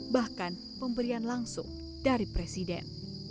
bahkan pemberian langsung dari presiden